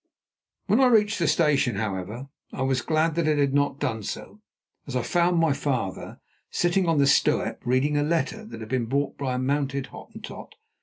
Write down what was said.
When I reached the station, however, I was glad that it had not done so, as I found my father sitting on the stoep reading a letter that had been brought by a mounted Hottentot.